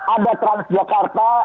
ada trans yogyakarta